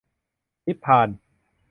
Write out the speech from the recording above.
นิพพาน